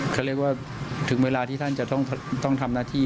เขาเรียกว่าถึงเวลาที่ท่านจะต้องทำหน้าที่